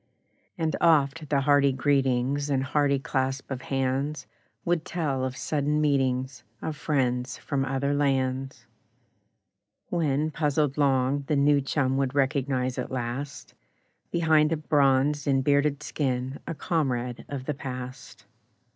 And oft the hearty greetings And hearty clasp of hands Would tell of sudden meetings Of friends from other lands; When, puzzled long, the new chum Would recognise at last, Behind a bronzed and bearded skin, A comrade of the past.